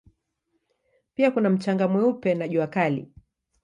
Pia kuna mchanga mweupe na jua kali.